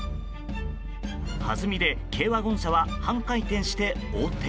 はずみで軽ワゴン車は半回転して横転。